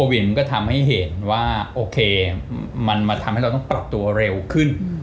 วินก็ทำให้เห็นว่าโอเคมันมาทำให้เราต้องปรับตัวเร็วขึ้น